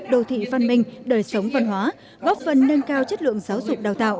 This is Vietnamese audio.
đô thị văn minh đời sống văn hóa góp phần nâng cao chất lượng giáo dục đào tạo